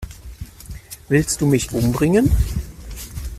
Willst du mich umbringen?